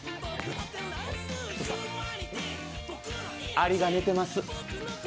アリが寝てます。